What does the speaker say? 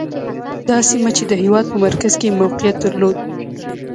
دا سیمه چې د هېواد په مرکز کې یې موقعیت درلود.